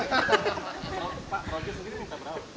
pak pak jokowi sendiri minta berawal